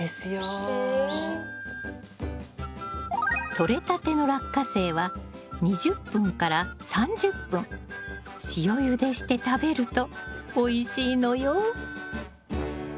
とれたてのラッカセイは２０分から３０分塩ゆでして食べるとおいしいのよ。